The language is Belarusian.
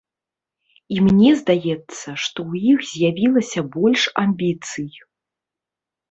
І мне здаецца, што ў іх з'явілася больш амбіцый.